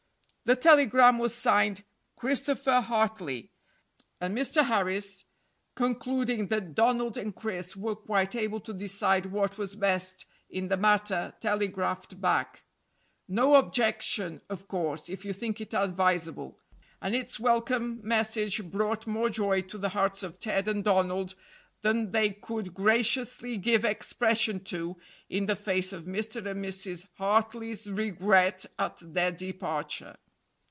The telegram was signed Christopher Hartley; and Mr. Harris, concluding that Donald and Chris were quite able to decide what was best in the matter, telegraphed back, "No objection, of course, if you think it advisable;" and its welcome message brought more joy to the hearts of Ted and Donald than they could graciously give expression to in the face of Mr. and Mrs. Hartley's regret at their departure.